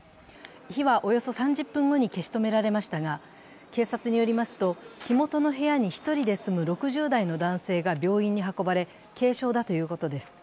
火はおよそ３０分後に消し止められましたが、警察によりますと、火元の部屋に１人で住む６０代の男性が病院に運ばれ、軽傷だということです。